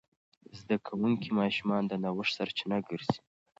زده کوونکي ماشومان د نوښت سرچینه ګرځي.